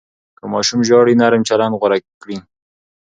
که ماشوم ژاړي، نرم چلند غوره کړئ.